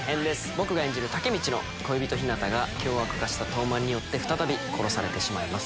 僕が演じるタケミチの恋人ヒナタが凶悪化したトーマンによって再び殺されてしまいます。